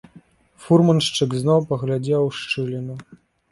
Фурманшчык зноў паглядзеў у шчыліну.